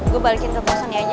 gue balikin ke poson aja